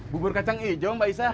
bubur kacang ijom mbak isythe